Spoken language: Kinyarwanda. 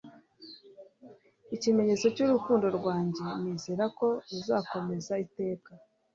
ikimenyetso cyurukundo rwanjye nizere ko uzakomeza iteka